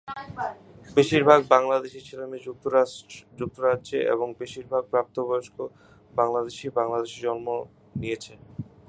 বেশির ভাগ বাংলাদেশী ছেলেমেয়ে যুক্তরাজ্যে এবং বেশির ভাগ প্রাপ্তবয়স্ক বাংলাদেশী বাংলাদেশে জন্ম নিয়েছে।